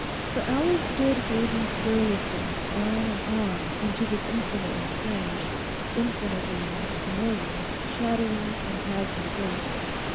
For Alice stood gazing stirlessly on and on into this infinitely strange, infinitely familiar shadowy, phantasmal face.